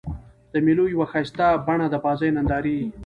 د مېلو یوه ښایسته بڼه د بازيو نندارې يي.